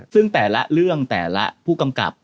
ซึ่งแต่ละเรื่องแต่ละผู้กำกับ